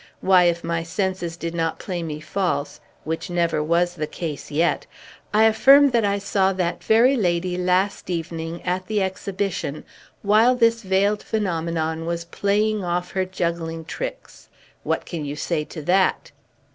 Why, if my senses did not play me false (which never was the case yet), I affirm that I saw that very lady, last evening, at the exhibition, while this veiled phenomenon was playing off her juggling tricks! What can you say to that?"